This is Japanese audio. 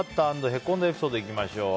へこんだエピソードいきましょう。